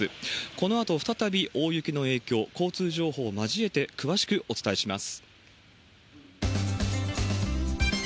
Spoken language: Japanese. このあと再び、大雪の影響、交通情報を交えて詳しくお伝えします。